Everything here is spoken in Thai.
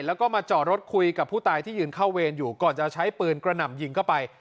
แล้วก็มาจอดรถคุยกับผู้ตายที่ยืนเข้าเวรอยู่ก่อนจะใช้ปืนกระหน่ำยิงเข้าไป